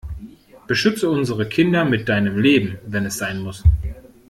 Beschütze unsere Kinder mit deinem Leben, wenn es sein muss!